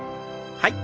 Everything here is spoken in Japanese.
はい。